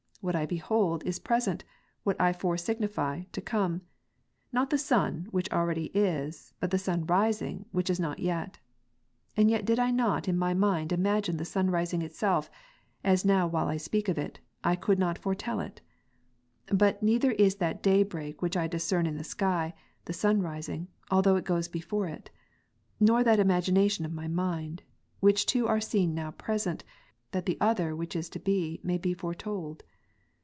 What I behold, is present; what I fore signify, to come ; not the sun, which already is ; but the sun rising, which is not yet. And yet did I not in my mind imagine the sun rising itself, (as now while I speak of it,) I could not foretel it. But neither is that day break which I discern in the sky, the sun rising, although it goes before it ; nor that imagination of my mind ; which two are seen now present, that the other which is to be may be foretold.